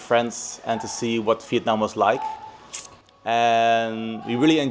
trên vài thiết kế